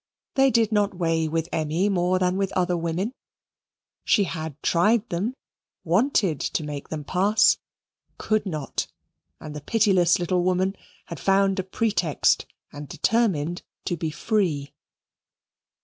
They did not weigh with Emmy more than with other women. She had tried them; wanted to make them pass; could not; and the pitiless little woman had found a pretext, and determined to be free.